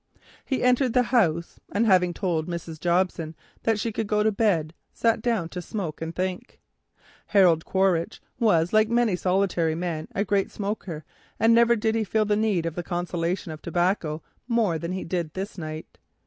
He entered the house, and having told Mrs. Jobson that she could go to bed, sat down to smoke and think. Harold Quaritch, like many solitary men, was a great smoker, and never did he feel the need for the consolation of tobacco more than on this night.